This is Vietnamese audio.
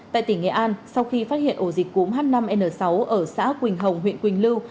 tại tỉnh nghệ an sau khi phát hiện ổ dịch cúm h năm n sáu ở xã quỳnh hồng huyện quỳnh lưu